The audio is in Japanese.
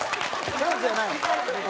チャンスじゃない。